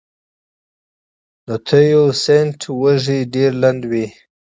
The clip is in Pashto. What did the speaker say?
د تیوسینټ وږی ډېر لنډ و.